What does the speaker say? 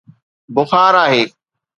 بخار آهي.